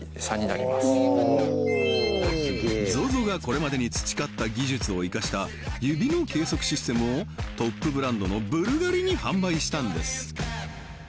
ＺＯＺＯがこれまでに培った技術を生かした指の計測システムをトップブランドのブルガリに販売したんです